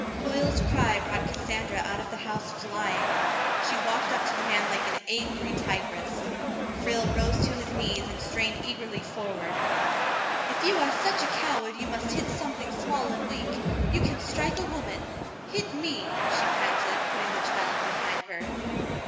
Hoyle's cry brought Cassandra out of the house flying. She walked up to the man like an angry tigress. Frale rose to his knees and strained eagerly forward. "If you are such a coward you must hit something small and weak, you can strike a woman. Hit me," she panted, putting the child behind her.